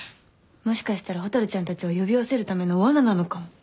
もしかしたら蛍ちゃんたちを呼び寄せるためのわななのかも。